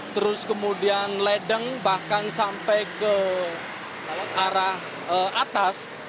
terus kemudian ledeng bahkan sampai ke arah atas